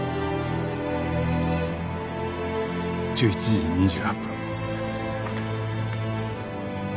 １１時２８分。